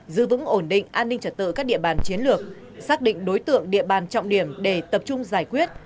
giữ vững ổn định an ninh trật tự các địa bàn chiến lược xác định đối tượng địa bàn trọng điểm để tập trung giải quyết